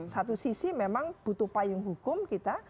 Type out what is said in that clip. satu sisi memang butuh payung hukum kita